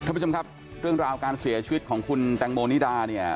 ท่านผู้ชมครับเรื่องราวการเสียชีวิตของคุณแตงโมนิดาเนี่ย